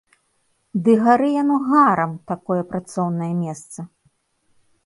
Ды гары яно гарам, такое працоўнае месца!